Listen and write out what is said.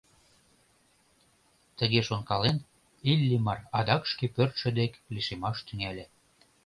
Тыге шонкален, Иллимар адак шке пӧртшӧ дек лишемаш тӱҥале.